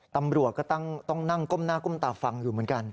ตำรวจก็ต้องนั่งก้มหน้าก้มตาฟังอยู่เหมือนกัน